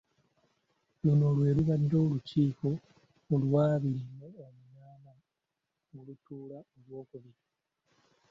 Luno lwe lubadde olukiiko olw'abiri mu omunaana olutuula olw'okubiri.